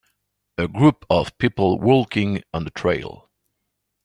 A group of people walking on a trail